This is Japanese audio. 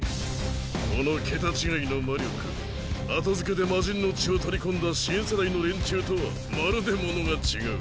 この桁違いの魔力後付けで魔神の血を取り込んだ新世代の連中とはまるで物が違う。